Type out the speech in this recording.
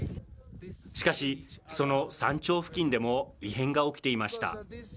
しかし、その山頂付近でも異変が起きていました。